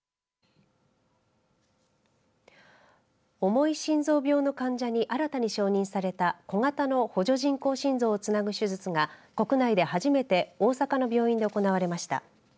重い心臓病の患者に新たに承認された小型の補助人工心臓をつなぐ手術が国内で初めて大阪の病院で行われました。